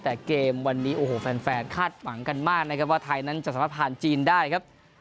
แต่เกมวันนี้โอ้โหแฟนคาดหวังกันมากนะครับว่าไทยนั้นจะสามารถผ่านจีนได้ครับ